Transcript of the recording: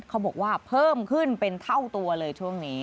เขาบอกว่าเพิ่มขึ้นเป็นเท่าตัวเลยช่วงนี้